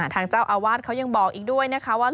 ทางเจ้าอาวาสเขายังบอกอีกด้วยนะคะว่า